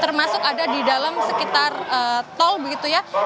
termasuk ada di dalam sekitar tol begitu ya